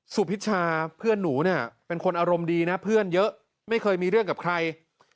สุพิชาเพื่อนหนูเนี่ยเป็นคนอารมณ์ดีนะเพื่อนเยอะไม่เคยมีเรื่องกับใคร